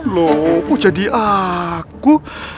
loh jadi aku